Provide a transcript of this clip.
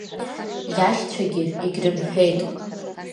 Иашьцәагьы егьрымҳәеит.